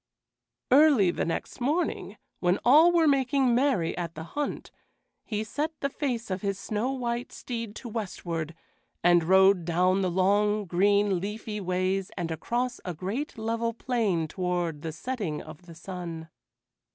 Early the next morning, when all were making merry at the hunt, he set the face of his snow white steed to westward and rode down long, green, leafy ways and across a great level plain toward the setting of the sun.